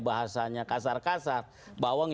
bahasanya kasar kasar bawang